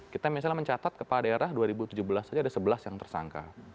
kita misalnya mencatat kepala daerah dua ribu tujuh belas saja ada sebelas yang tersangka